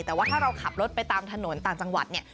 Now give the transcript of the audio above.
แต่ว่าถ้าเราขับรถไปตามถนนต่างจังหวัดเนี่ย